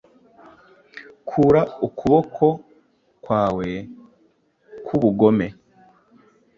kura ukuboko kwawe kwubugome,